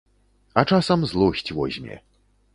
А часам злосць возьме.